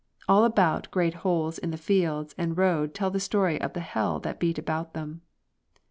All about great holes in fields and road tell the story of the hell that beat about them.